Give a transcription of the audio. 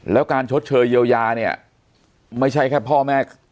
แล้วการชดเชยเยียวยาเนี่ยไม่ใช่แค่พ่อแม่